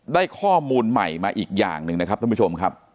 ได้ข้อมูลใหม่มาอีกอย่างหนึ่งนะครับท่านผู้ชมครับ